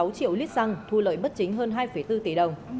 sáu triệu lít xăng thu lợi bất chính hơn hai bốn tỷ đồng